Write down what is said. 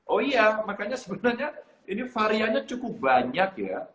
oh iya makanya sebenarnya ini variannya cukup banyak ya